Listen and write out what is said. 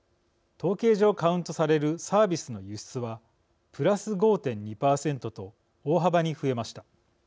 統計上、カウントされるサービスの輸出はプラス５．２％と大幅に増えました。